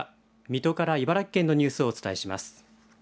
水戸から、茨城県のニュースをお伝えします。